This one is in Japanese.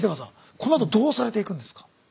このあとどうされていくんですか？